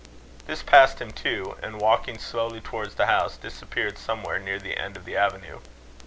This passed him too, and, walking slowly towards the house, disappeared somewhere, near the end of the avenue.